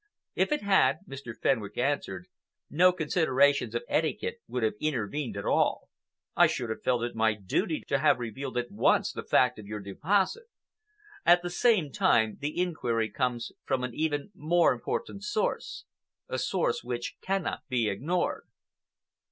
"If it had," Mr. Fenwick answered, "no considerations of etiquette would have intervened at all. I should have felt it my duty to have revealed at once the fact of your deposit. At the same time, the inquiry comes from an even more important source,—a source which cannot be ignored."